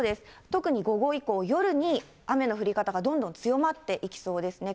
特に午後以降、夜に、雨の降り方がどんどん強まっていきそうですね。